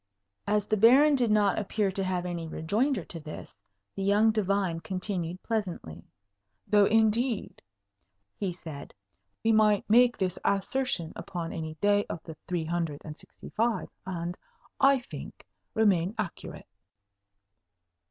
As the Baron did not appear to have any rejoinder to this, the young divine continued, pleasantly. "Though indeed," he said, "we might make this assertion upon any day of the three hundred and sixty five, and (I think) remain accurate."